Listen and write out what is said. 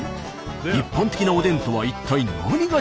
一般的なおでんとは一体何が違うのか？